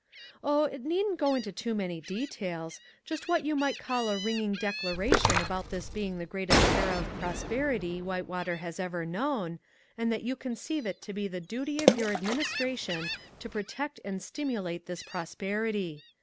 "Oh, it needn't go into too many details. Just what you might call a ringing declaration about this being the greatest era of prosperity Whitewater has ever known, and that you conceive it to be the duty of your administration to protect and stimulate this prosperity.